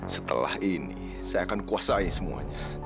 setelah ini saya akan kuasai semuanya